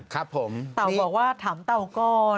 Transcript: เต่าบอกว่าถามเต่าก้อน